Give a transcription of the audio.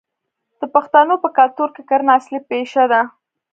د پښتنو په کلتور کې کرنه اصلي پیشه ده.